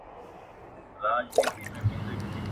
مغني پر رباب وغځوه گوتې